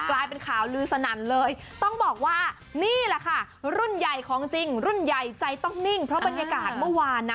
กลายเป็นข่าวลือสนั่นเลยต้องบอกว่านี่แหละค่ะรุ่นใหญ่ของจริงรุ่นใหญ่ใจต้องนิ่งเพราะบรรยากาศเมื่อวานนะ